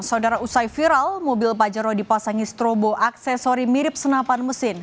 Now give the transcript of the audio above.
saudara usai viral mobil pajero dipasangi strobo aksesori mirip senapan mesin